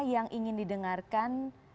yang ingin didengarkan